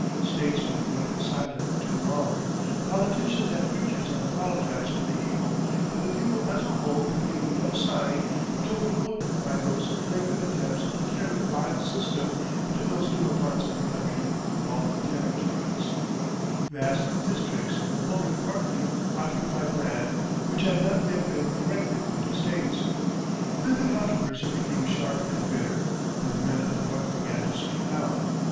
Statesmen had been silent too long, politicians and preachers had apologised for the evil, and the people as a whole had given no sign, until provoked by those flagrant attempts to carry the vile system into those newer parts of the country called Territories, vast districts of only partly occupied land which had not yet been erected into States. Then the controversy became sharp and bitter, and the men of the North began to speak out.